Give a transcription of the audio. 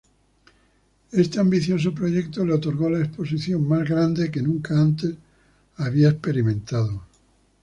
Este ambicioso proyecto le otorgó la exposición más grande que nunca antes había experimentado.